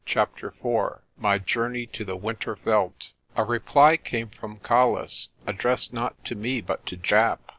CHAPTER IV MY JOURNEY TO THE WINTER VELD A REPLY came from Colles, addressed not to me but to Japp.